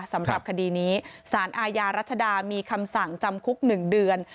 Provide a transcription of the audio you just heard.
สำหรับคดีนี้สารอาญารัชดามีคำสั่งจำคุก๑เดือน